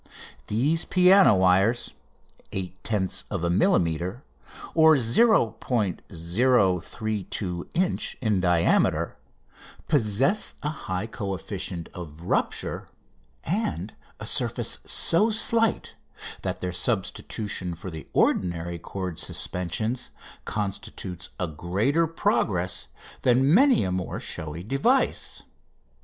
These piano wires, 8/10ths of a millimetre (0·032 inch) in diameter, possess a high coefficient of rupture and a surface so slight that their substitution for the ordinary cord suspensions constitutes a greater progress than many a more showy device.